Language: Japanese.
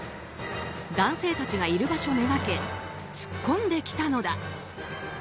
男性たちがいる場所をめがけ突っ込んできたのだ。